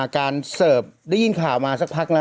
การเสิร์ฟได้ยินข่าวมาสักพักนะ